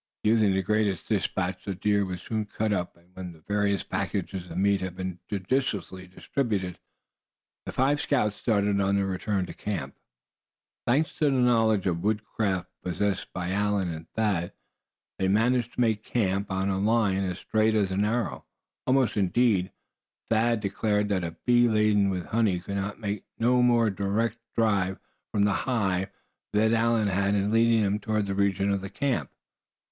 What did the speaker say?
Using the greatest dispatch the deer was soon cut up. And when the various packages of meat had been judiciously distributed, the five scouts started on their return to camp. Thanks to the knowledge of woodcraft possessed by Allan and Thad, they managed to make the camp on a line as straight as an arrow, almost. Indeed, Thad declared that a bee laden with honey, could make no more direct drive for the hive than Allan had in leading them toward the region of the camp.